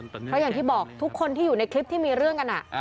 เพราะอย่างที่บอกทุกคนที่อยู่ในคลิปที่มีเรื่องกัน